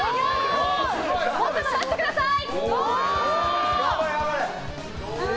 もっと頑張ってください。